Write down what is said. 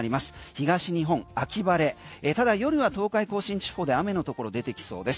東日本秋晴れただ夜は東海甲信地方で雨のところでてきそうです。